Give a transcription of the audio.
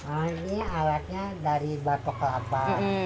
oh ini alatnya dari batok kelapa